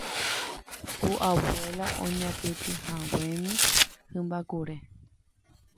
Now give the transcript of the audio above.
ku abuela oñapytĩhaguémi hymba kure